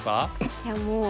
いやもう。